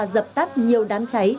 giập tắt nhiều đám cháy